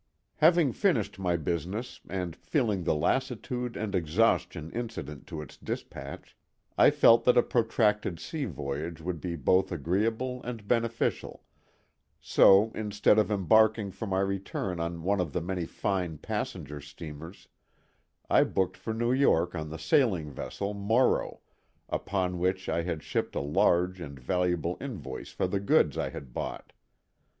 Having finished my business, and feeling the lassitude and exhaustion incident to its dispatch, I felt that a protracted sea voyage would be both agreeable and beneficial, so instead of embarking for my return on one of the many fine passenger steamers I booked for New York on the sailing vessel Morrow, upon which I had shipped a large and valuable invoice of the goods I had bought.